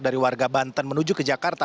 dari warga banten menuju ke jakarta